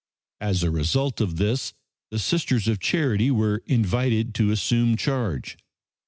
As a result of this the Sisters of Charity were invited to assume charge.